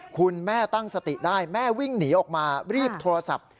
คุณแม่ตั้งสติได้แม่วิ่งหนีออกมารีบโทรศัพท์